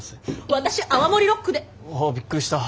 私泡盛ロックで！わあびっくりした。